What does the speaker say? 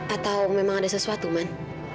atau memang ada sesuatu man